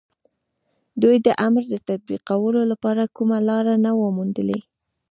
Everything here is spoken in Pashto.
دوی د امر د تطبيقولو لپاره کومه لاره نه وه موندلې.